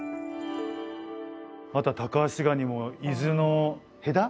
またタカアシガニも伊豆の戸田？